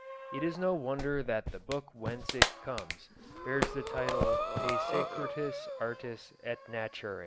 It is no wonder that the book whence it comes bears the title "De Secretis Artis et Naturæ."